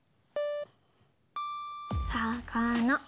さかな。